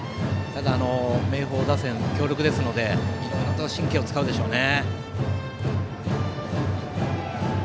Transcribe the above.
ただ、明豊打線も強力ですのでいろいろと神経は使うでしょうね。